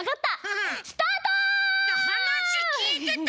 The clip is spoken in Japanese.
はなしきいてた？